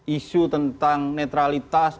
isu tentang netralitas